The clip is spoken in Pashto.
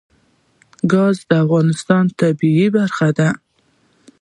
ګاز د افغانستان د طبیعت برخه ده.